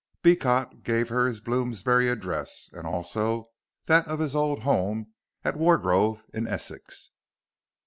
Beecot gave her his Bloomsbury address, and also that of his old home at Wargrove in Essex.